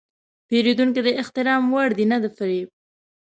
پیرودونکی د احترام وړ دی، نه د فریب.